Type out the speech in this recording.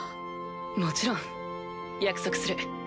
もちろん。約束する。